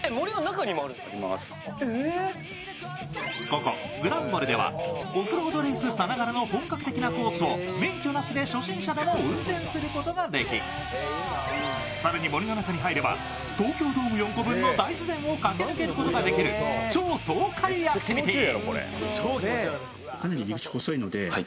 ここ、グランボレではオフロードレースさながらの本格的なコースを免許なしで初心者でも運転することができ、更に、森の中に入れば東京ドーム４個分の大自然を駆け抜けることができる超爽快アクティビティー。